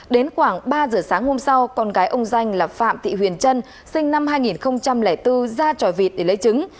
đến khoảng ba giờ sáng hôm sau con gái ông danh là phạm thị huyền trân sinh năm hai nghìn bốn ra trò vịt để lấy trứng